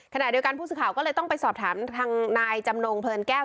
ขณะเดียวกันผู้สื่อข่าวก็เลยต้องไปสอบถามทางนายจำนงเพลินแก้ว